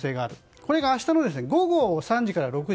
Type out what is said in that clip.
これが明日の午後３時から６時。